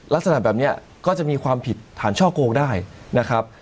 ลักษณะแบบนี้ก็จะมีความผิดฐานช่อโกงได้นะครับ